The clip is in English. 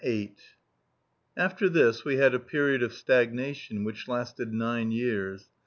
_" VIII After this we had a period of stagnation which lasted nine years.